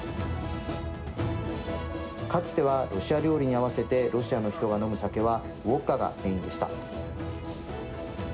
かつてはロシア料理にあわせてロシアの人が飲む酒はウォッカがメインでした。